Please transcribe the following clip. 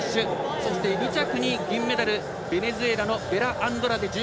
そして２着に銀メダルベネズエラのベラアンドラデ。